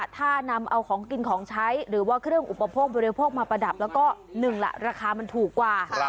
ถ้านำเอาของกินของใช้หรือว่าเครื่องอุปโภคบริโภคมาประดับแล้วก็หนึ่งล่ะราคามันถูกกว่า